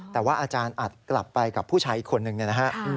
แต่ว่าอาจารย์อัดกลับไปกับผู้ชายอีกคนนึงเนี่ยนะฮะ